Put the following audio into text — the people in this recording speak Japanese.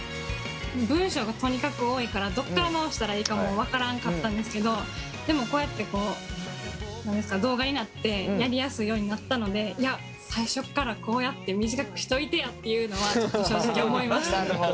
文章がとにかく多いからどっから直したらいいかも分からんかったんですけどでもこうやって動画になってやりやすいようになったので最初っからこうやって短くしといてやっていうのは正直思いました。